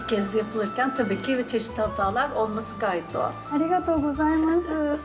ありがとうございます。